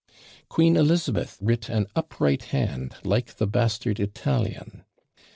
"Queen Elizabeth writ an upright hand, like the bastard Italian."